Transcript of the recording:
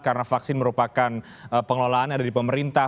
karena vaksin merupakan pengelolaan yang ada di pemerintah